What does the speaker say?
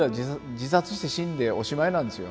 自殺して死んでおしまいなんですよ。